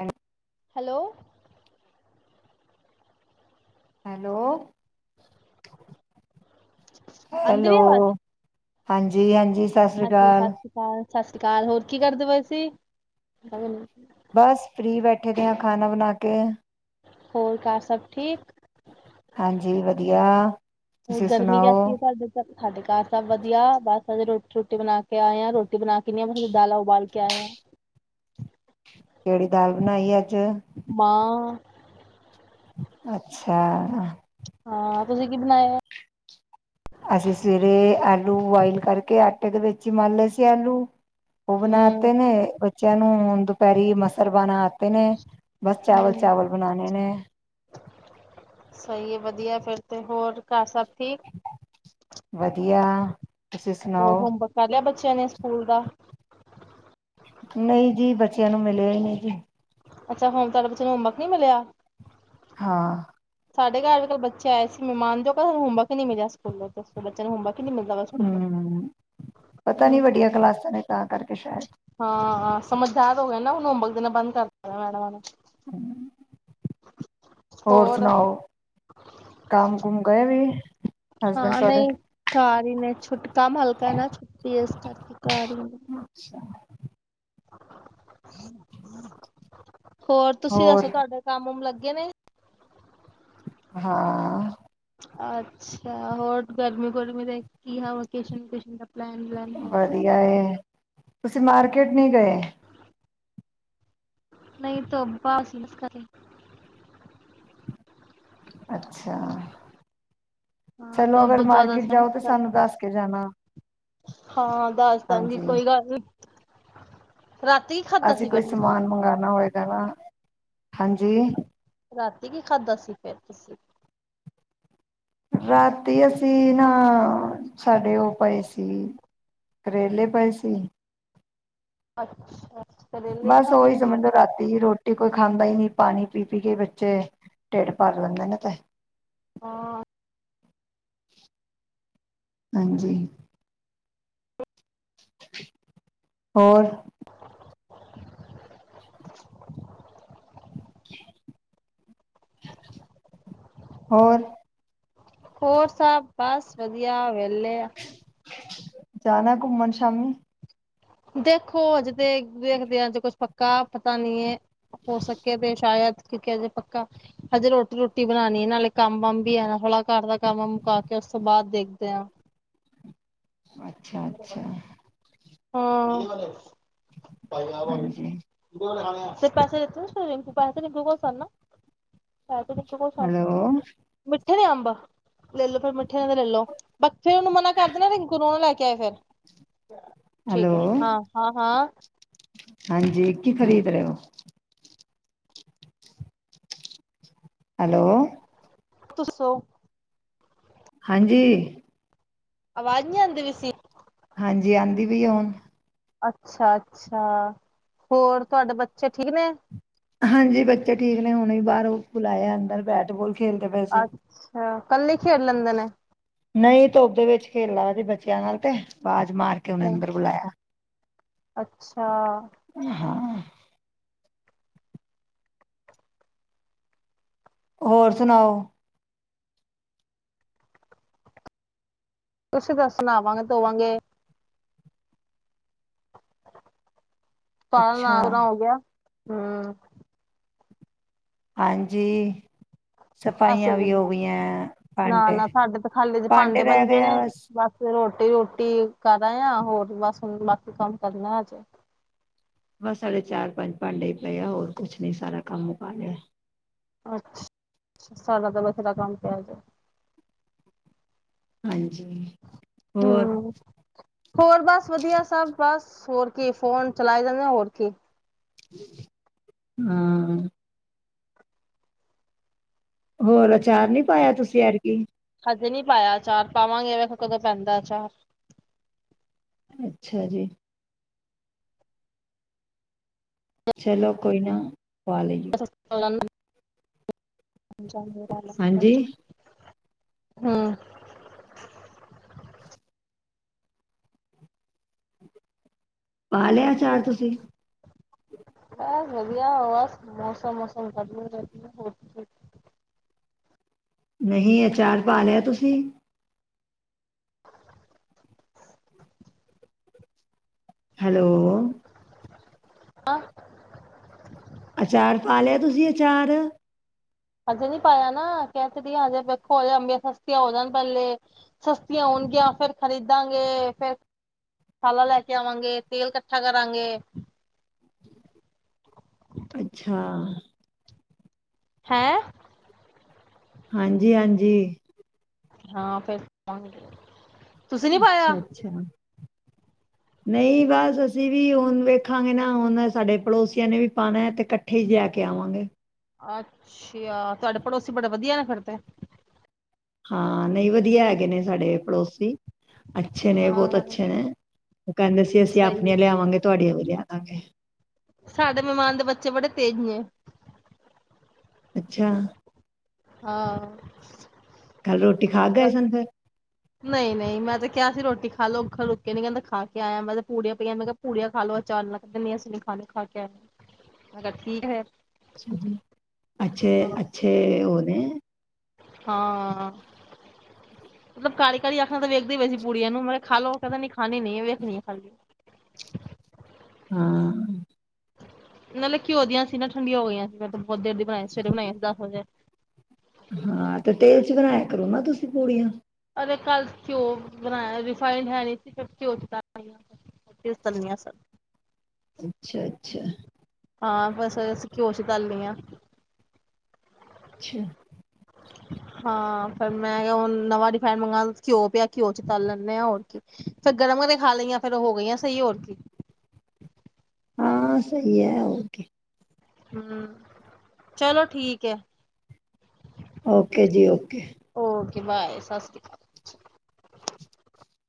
ੈਂ hello hello ਅੰਧ hello ਵਿਵਾਜ਼ ਹਾਂਜੀ ਹਾਂਜੀ ਸਤਿ ਸ੍ਰੀ ਹਾਂਜੀ ਸਤਿ ਅਕਾਲ ਸ੍ਰੀ ਅਕਾਲ ਸਤਿ ਸ਼੍ਰੀ ਅਕਾਲ ਹੋਰ ਕੀ ਕਰਦੇ ਪਏ ਸੀ ਬਸ ਫ੍ਰਰੀ ਬੈਠੇ ਦੇ ਹਾਂ ਖਾਣਾ ਬਣਾ ਕੇ ਹੋਰ ਘ ਸਭ ਠੀਕ ਹਾਂਜੀ ਵਧੀਆ ਹੋ ਤੁਸੀਂ ਗਰਮੀ ਕੈਸੀ ਸੁਣਾਓ ਹੈ ਤੁਹਾਡੇ ਸਾਡੇ ਘਰ ਸਭ ਵਧੀਆ ਬਸ ਰੋਟੀ ਰੋਟੀ ਬਣਾ ਕੇ ਆਏ ਹਾਂ ਰੋਟੀ ਬਣਾ ਕੇ ਨਹੀਂ ਆਸੀ ਦਾਲਾਂ ਉਬਾਲ ਕੇ ਆਏ ਹਾਂ ਕਿਹੜੀ ਦਾਲ ਬਣਾਈ ਹੈ ਮ ਅੱਛਾ ਹਾਂ ਤੁਸੀਂ ਕੀ ਬਣਾਇ ਹੋ ਅਸੀਂ ਸਵੇਰੇ ਆਲੂ ਬੁਆਇਲ ਕਰਕੇ ਆਟੇ ਦੇ ਵਿੱਚ ਹੀ ਮੰਨ ਲਏ ਸੀ ਆਲੂ ਉਹ ਹੂੰ ਬਣਾਤੇ ਨੇ ੱਚਿਆਂ ਨੂੰ ਦੁਪਹਿਰੀ ਮਸਲ ਬਾਨਾ ਨੇ ਬਸ ਚਾਵਲ ਹੂੰ ਚਾਵਲ ਬਣਾਣੇ ਨੇ ਸਹੀ ਹੈ ਵਧੀਆ ਫੇਰ ਤੇ ਹੋਰ ਘਰ ਸਭ ਠੀਕ ਵਧੀਆ ਤੁਸੀਂ ਹੋਰ ਸੁਣਾਓ ਹੋਮਵਰਕ ਕਰ ਲਿਆ ਬੱਚਿਆਂ ਨੇ ਸਕੂਲ ਦਾ। ਨਹੀਂ ਜੀ ਬੱਚਿਆਂ ਨੂੰ ਮਿਲਿਆ ਹੀ ਨਹੀਂ ਜੀ। ਅੱਛਾ ਹਮ ਤੁਹਾਡੇ ਬੱਚੇ ਨੂੰ ਹੋਮਵਰਕ ਨੀ ਮਿਲਿਆ। ਹਾਂ ਸਾਡੇਰ ਘਰ ਵੀ ਕੱਲ ਬੱਚੇ ਆਏ ਸੀ ਮਹਿਮਾਨ ਦੇ ਉਹ ਕਹਿੰਦੇ ਹੋਮਵਰਕ ਨਹੀਂ ਮਿਲਿਆ ਸਕੂਲੋਂ ਦੱਸੋ ਬੱਚਿਆਂ ਨੂੰ ਹੋਮਵਰਕ ਹੀ ਨਹੀਂ ਮਿਲਦਾ ਵਾ ਸਕੂਲੋਂ ਹਮ ਪਤਾ ਨੀ ਹੂੰ ਵਡੀਆਂ ਕਲਾਸਾਂ ਨੇ ਤਾਂ ਕਰਕੇ ਸ਼ਾਇਦ। ਹਾਂ ਸਮਝਦਾਰ ਹੋ ਗਏ ਨਾ ਹੁਣ ਹੋਮਵਰਦੇਣਾ ਬੰਦ ਕਰਦਾ ਮੈਡਮਾਂ ਨੇ। ਹਮ ਹੋਰ ਸੁਣਾਓ ਕੰਮ ਕੁਮ ਗਏ ਵੀ। ਹਸਬੈਂਡ ਹਾਂ ਤੁਹਾਡੇ ਨਹੀਂ ਘ ਹੀ ਨੇ ਛੁੱਟ ਕੰਮ ਹਲਕਾ ਨਾ ਛੁੱਟੀ ਏ ਇਸ ਕਰਕੇ ਘਰ ਹੀ ਹੁੰਦੇ। [unintelligible] ਹੋਰ ਤੁਸੀਂ ਦੱਸੋ ਤੁਹਾਡਾ ਕਾਮ ਕੁਮ ਲ ਗੇ ਨੇ। ਹਾਂ ਅੱਛਾ ਹੋਰ ਗਰਮੀ-ਗੁਰਮੀ ਦੇ ਕੀ ਹਾਂ ਵਕੇਸ਼ਨ, ਵੋਕੇਸ਼ਨ ਵਧੀਆ ਏ। ਤੁਸੀਂ ਮਾਰਕੀਟ ਨਹੀਂ ਗਏ। ਨਹੀਂ [unintelligible] ਇਸ ਕਰੇ। ਅੱਛਾ ਹਾਂ ਚਲੋ ਤਾਂ ਅਗਰ ਬਹੁਤ ਜ਼ਿਆਦਾ ਮਾਰਕੀਟ ਜਾਓ ਤਾਂ ਸਾਨੂੰ ਦੱਸ ਕੇ ਜਾਣਾ। ਹਾਂ ਹਾਂ ਦੱਸ ਦਵਾਂਗੀ ਹਾਂਜੀ ਕੋਈ ਗੱਲ ਨੀ। ਰਾਤੀ ਕੀ ਖਾਧਾ ਅਸੀਂ ਸੀ ਫਿਰ ਕੋਈ ਤੁਸੀਂ ਸਮਾਨ ਮੰਗਾਨਾ ਹੋਏ [unintelligible] ਹਾਂਜੀ ਰਾਤੀ ਕੀ ਖਾਧਾ ਸੀ ਫੇਰ ਤੁਸੀਂ। ਰਾਤੀ ਅਸੀਂ ਨਾ ਸਾਡੇ ਉਹ ਪਾਏ ਸੀ ਕਰੇਲੇ ਪਾਏ ਸੀ। ਅੱਛਾ ਕਰੇਲੇ ਬਸ ਖਾਂਦੇ ਓਹੀ ਨੇ, ਸਮਝੋ ਰਾਤੀ ਰੋਟੀ ਕੋਈ ਖਾਂ ਦਾਹੀ ਨਹੀਂ ਪਾਣੀ ਪੀ-ਪੀ ਕੇ ਬੱਚੇ ਢਿੱਡ ਭਰ ਲਿੰਦੇ ਨੇ ਤੇ। ਹਾਂ ਹਾਂਜੀ ਹੋਰ ਬਲੈਂਕ ਹੋਰ ਹੋਰ ਸਭ ਬਸ ਵਧੀਆ ਵੈ। [unintelligible] ਐ ਜਾਣਾ ਘੁੰਮਣ ਸ਼ਾਮੀ। ਦੇਖੋ ਹਜੇ ਤੇ ਵੇਖਦੇਆਂ ਹੱਜੇ ਕੁਛ ਪੱਕਾ ਪਤਾ ਨਹੀਂ ਹੈ। ਹੋ ਸਕੇ ਤੇੇ ਸ਼ਾਇਦ। ਕਿਉਂਕਿ ਹਜੇ ਪੱਕਾ ਹਜੇ ਰੋਟੀ ਰੂਟੀ ਬਣਾਉਣੀ ਹੈ ਨਾਲੇ ਕੰਮ ਵਮ ਵੀ ਆ ਨਾ ਥੋੜਾ ਘਰ ਦਾ ਕੰਮ ਉਮ ਮੁਕਾ ਕੇ ਉਸ ਤੋਂ ਬਾਅਦ ਦੇਖਦੇ ਆਂ। ਅੱਛਾ ਅੱਛਾ ਹਾਂ [unintelligible] ਹਾਂਜੀ ਹਾਂ ਫਿਰ ਪੈਸੇ ਦਿੱਤੇ [unintelligible] ਗੂਗਲ ਸਰਨਾ [unintelligible] ਗਏ ਸਨ ਹੈਲੋ ਕਿਹੜੇ ਅੰਬ ਲੈ ਲੋ ਫਿਰ ਮੇਰੇ ਠੋਂ ਲਏ ਲੇ ਬੱਚੇਆਂ ਨੂੰ ਮਨਾ ਕਰਦੇ ਨਾ ਕਹੀਂ ਖਿਲਾਉਣਾ ਲੈ ਕੇ ਆਏ ਫਿਰ। ਹੈਲੋ ਠੀਕ ਹੈ ਹਾਂ ਹਾਂ ਹਾਂ ਹਾਂਜੀ ਕੀ ਖ਼ਰੀਦ ਰਹੇ ਹੋ। ਹੈਲੋ ਦੱਸੋ ਹਾਂਜੀ ਆਵਾਜ ਨਹੀਂ ਆਂਦੀ ਪਈ ਸੀ। ਹਾਂਜੀ ਆਉਂਦੀ ਪਈ ਹੈ ਹੁਣ। ਅੱਛਾ ਅੱਛਾ ਹੋਰ ਤੁਹਾਡੇ ਬੱਚੇ ਠੀਕ ਨੇ। ਹਾਂਜੀ ਬੱਚੇ ਠੀਕ ਨੇਂ ਹੁਣੇ ਵੀ ਬਾਹਰੋਂ ਖੁਲਾਇਆ ਐ ਅੰਦਰ ਬੈਟਬੋਲ ਅੱਛਾ ਕੱਲੇ ਈ ਨਹੀਂ ਧੁੱਪ ਦੇ ਵਿੱਚ ਖੇਲਾ ਵੀ ਬੱਚਿਆਂ ਨਾਲ ਤੇ [unintelligible] ਤੇ ਮਾਰ ਕੇ ਉਹਨੂੰ ਅੰਦਰ ਬੁਲਾਇਆ। ਅੱਛਾ ਓ ਹਾਂ ਹੋਰ ਸੁਨਾਓ ਓਸੀ ਤੇ ਅਸੀ ਨਹਾਵਾਂਗੇਂ ਧੋਵਾਂਗੇਂ। ਤਾਲ ਅੱਛਾ ਨਾਗਰਾ ਹੋ ਗਿਆ। ਹਮ ਹਾਂਜੀ ਸਫਾਈਆਂ ਵੀ ਹੋ [unintelligible] ਗਈਆਂ ਨਾ ਭਾਂਡੇ ਨਾ ਸਾਡੇ ਤੇ ਖਾਲੀ ਤੇ ਭਾਂਡੇ ਰਹਿ ਬੰਨ ਗਏ ਦੇ ਆ ਨੇਂ ਬਸ [unintelligible] ਰੋਟੀ ਰੋਟੀ ਕਰਾ ਆ ਹੋਰ ਬਸ ਹੁਣ ਬਾਕੀ ਕੰਮ ਕਰਨਾ ਅੱਜ ਬਸ ਸਾਡੇ ਚਾਰ ਪੰਜ ਭਾਂਡੇ ਹੀ ਪਏ ਆ ਹੋਰ ਕੁਛ ਨ ਸਾਰਾ ਕੰਮ ਉ ਪਾ ਲਿਆ। ਅੱਛਾ ਸਾਲ ਬਥੇਰਾ ਕੰਮ ਪ ਆ ਜਾ ਹਾਂਜੀ। ਹੋਰ ਹਮ ਹੋਰ ਬਸ ਵਧੀਆ ਸਭ। ਬਸ ਹੋਰ ਕੀ ਫੋਨ ਚਲਾਈ ਜਾਂਦੇ ਆ ਹੋਰ ਕੀ ਹਾਂ ਹੋਰ ਅਚਾਰ ਨਹੀਂੀ ਪਾਇਆ ਤੁਸੀਂ ਯਰ ਕੀ ਨੀ ਪਾਇਆ ਚਾਰ ਪਾਵਾਂਗੇ ਵੇਖ ਕਦੋਂ ਪੈਂਦਾ ਚਾਰ ਅੱਛਾ ਜੀ। ਚਲੋ ਕੋਈ ਨਹੀ। ਵਾਲ ਲਈੂ ਪੰਜ ਮਰਾ ਹਾਂਜੀ ਹਮ ਪਾ ਲਿਆ ਚਾਰ ਤੁਸੀਂ ਹੈ ਵਧੀਆ ਆਵਾ ਮੌਸਮਸਮ ਕਰ ਰਹਦੀ ਹੋ। ਨਹੀਂ ਅਚਾਰ ਪਾ ਲਿਆ ਤੁਸੀਂ ਹੈਲੋ। ਹੈਂ ਅਚਾਰ ਪਾ ਲਿਆ ਤੁਸੀਂ ਅਚਾਰ ਹਜੇ ਨੀ ਪਾਇਆ ਨਾ ਕਹਿ ਤੇਦੀ ਹਜੇ ਵੇਖੋ ਹਜੇ ਅੰਬੀਆਂ ਸਸਤੀਆਂ ਹੋ ਜਾਣ ਪਹਿਲੇ ਸਸਤੀਆਂ ਹੋਣਗੀਆਂ ਫੇਿਰ ਖ਼ਰੀਦਾਂਗੇਫੇਿਰ ਮਸਾਲਾ ਲੈ ਕੇ ਆਵਾਂਗੇ। ਤੇਲ ਇਕੱਠਾ ਕਰ ਗਏ ਕਰਾਂਗੇ। ਅੱਛਾ। ਹੈਂ। ਹਾਂਜੀਹਾਂਜੀ। ਹਾਂ ਫਿਰ ਅੱਛਾ ਅੱਛਾ। ਨਹੀਂ ਬਸ ਅਸੀਂ ਵੀ ਹੁਣ ਵੇਖਾਂਗੇ ਨਾ ਹੁਣ ਸਾਡੇ ਪੜੋਸੀਆਂ ਨੇ ਵੀ ਪਾਉਣਾ ਤੇ ਇਕੱਠੇ ਹੀ ਜਾ ਕੇ ਆਵਾਂਗੇ। ਅੱਛਾ ਤੁਹਾਡੇ ਪੜੋਸੀ ਬੜੇ ਵਧੀਆ ਨੇ ਫਦੇ ਹਾਂ ਨਹੀਂ ਵਧੀਆ ਹੈਗੇ ਨੇ ਸਾਡੇ ਪੜੋਸੀ ਅੱਛੇ ਨੇ ਬਹੁਤ ਹਾਂ ਅੱਛੇ ਨੇ--ਉਹ ਕਹਿੰਦੇ ਸੀ ਅਸੀਂ ਸਹੀ ਆਪਣੀਆਂ ਹੈ ਲਿਆਵਾਂਗੇ ਤੁਹਾਡੀਆਂ ਵੇਲਾਯਾਵਾ ਹਾਂਜੀ। ਸਾਡੇ ਮਹਿਮਾਨ ਦੇ ਬੱਚੇ ਬੜੇ ਤੇਜ਼ ਨੇ ਅੱਛਾ। ਹਾਂ। ਕੱਲ ਰੋਟੀ ਖਾ ਗਏ ਸਨ ਫਿਰ ਕਿਆ ਅਸੀਂ ਰੋਟੀ ਖਾ ਲੋ ਅੱਖਰ ਰੁਕੇ ਨੀ ਕਹਿੰਦਾ ਖਾ ਕੇ ਆਇਆ ਮੈਂ ਤੇ ਪੂੜੀਆਂ, ਪਈਆਂ ਮੈਂ ਕਿਹਾ ਪੂੜੀਆਂ ਖਾ ਲੋਓ ਅਚਾਨ ਨਾਲ ਕਹਿੰ ਨਸੀਂੀ ਖਾ ਖਾ ਕੇ ਆਆ। ਮੈਂ ਕਿਹਾ ਠੀਕ ਹੈ। ਅੱ ਜੀ ਅੱਛੇ ਹਾਂ ਅੱਛੇ ਉਹ ਨੇ ਹਾਂ ਮਤਲਬ ਕਾਰੀ, ਕਾਰੀ ਆਖਣਾ ਤਾਂ ਵੇਖਦੇ ਪੈ ਸੀ ਪੂੜੀਆਂ ਨੂੰ ਮਤਬ ਖਾ ਲੋਓ ਕਹਿੰਦਾ ਨੀ ਹਾਣੀ ਨਹੀਂ ਵੇਖਣੀ ਹੈ ਖਾਲੀ ਹਾਂ। ਨਾਲੇ ਘਿਉ ਦੀਆਂ ਸੀ ਨਾ ਠੰਡੀਆਂ ਹੋ ਗਈਆਂ ਸੀ। ਉਧਨ ਦੀ ਬਣਾਈ ਸਵੇਰੇ ਬਣਾਈ ਸੀ ਦਸ ਵਜੇ। ਹਾਂ ਤੇ ਤੇਲ ਚ ਬਣਾਇਆ ਕਰੋ ਨਾ ਤੁਸੀਂ ਪੂੜੀਆਂ। ਕਲ ਘਿਓ ਬਣਾਇਆ ਰੇਫਿਨਿੰਡ ਹੈ ਨਹੀਂ ਸੀ ਫਿਰ ਘਿਓ ਚ [unintelligible] ਅੱਛਾ, ਅੱਛਾ। ਹਾਂ, ਬਸ ਅਸੀਂ ਘਿਓ ਸੀ ਤਲ ਲਈਆਂ। ਅੱਛਾ ਹਾਂ। ਫਿਰ ਮੈਂ ਕਿਹਾ ਹੁਣ ਨਵਾਂ ਰਿਫਾਈਡ ਮੰਗਾ ਘਿਓ ਪਿਆ ਘਿਓ ਚ ਤਲ ਲੈਂਦੇ ਆ ਹੋਰ ਕੀ। ਫੇਰ ਗਰਮ ਕਰ ਕੇ ਖਾ ਲਈਆਂ ਫੇਰ ਉਹ ਹੋ ਗਈਆਂ ਸਹੀ ਹੋਰ ਕੀ। ਹਾਂ, ਸਹੀ ਹੈ। ਓਕੇ। ਹਾਂ ਚਲੋ ਠੀਕ ਐ। ਓਕੇ ਜੀ ਓਕੇ। ਓਕੇ ਬਾਏ, ਸਤਿ ਸ਼੍ਰੀ ਅਕਾਲ।